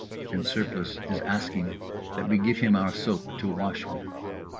_" and Surplice is asking that we give him our soap to wash with.